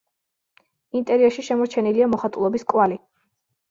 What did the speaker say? ინტერიერში შემორჩენილია მოხატულობის კვალი.